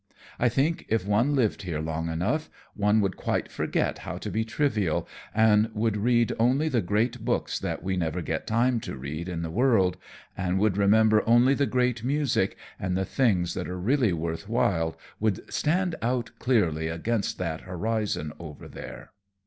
I think if one lived here long enough one would quite forget how to be trivial, and would read only the great books that we never get time to read in the world, and would remember only the great music, and the things that are really worth while would stand out clearly against that horizon over there.